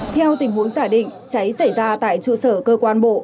theo tình huống giả định cháy xảy ra tại trụ sở cơ quan bộ